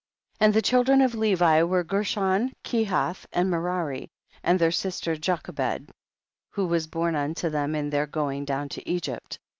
9. And the children of Levi were Gershon, Kehath and Merari, and their sister Jochebed, who was born unto them in their going down to Egypt.